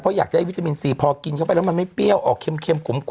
เพราะอยากได้วิตามินซีพอกินเข้าไปแล้วมันไม่เปรี้ยวออกเค็มขลม